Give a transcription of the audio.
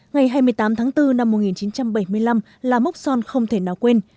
ngày hai mươi tám tháng bốn năm một nghìn chín trăm bảy mươi năm là mốc son không thể nào quên